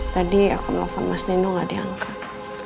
tadi aku nelfon mas dendo gak diangkat